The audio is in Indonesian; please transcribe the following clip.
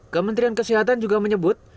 kementrian kesehatan juga menyebut